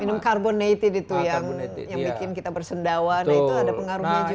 minum carbonated itu yang bikin kita bersendawa nah itu ada pengaruhnya juga